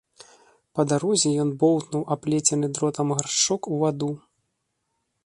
Па дарозе ён боўтнуў аплецены дротам гаршчок у ваду.